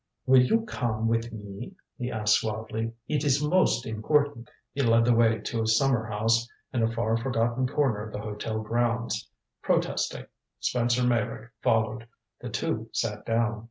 "Will you come with me?" he asked suavely. "It is most important." He led the way to a summer house in a far forgotten corner of the hotel grounds. Protesting, Spencer Meyrick followed. The two sat down.